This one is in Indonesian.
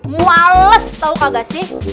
muales tau kagak sih